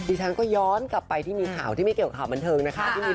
ฉันก็ย้อนกลับไปที่มีข่าวที่ไม่เกี่ยวกับข่าวบันเทิงนะคะพี่บิน